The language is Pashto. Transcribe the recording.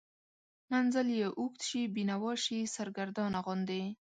منزل یې اوږد شي، بینوا شي، سرګردانه غوندې